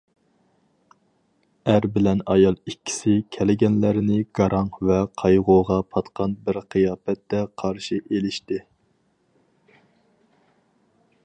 ئەر بىلەن ئايال ئىككىسى كەلگەنلەرنى گاراڭ ۋە قايغۇغا پاتقان بىر قىياپەتتە قارشى ئېلىشتى.